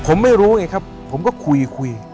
ผมไม่รู้ไงครับผมก็คุยคุย